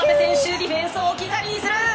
ディフェンスを置き去りにする！